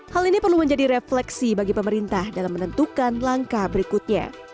hal ini perlu menjadi refleksi bagi pemerintah dalam menentukan langkah berikutnya